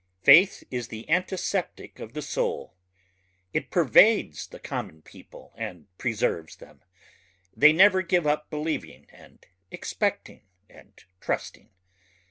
Faith is the antiseptic of the soul ... it pervades the common people and preserves them ... they never give up believing and expecting and trusting.